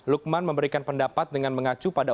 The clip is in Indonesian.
lukman memberikan pendapat dengan mengacu pada